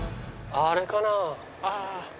あれかな？